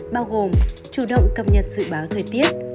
bao gồm chủ động cập nhật dự báo thời tiết